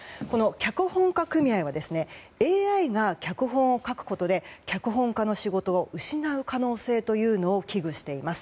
脚本家組合はＡＩが脚本を書くことで脚本家の仕事を失う可能性というのを危惧しています。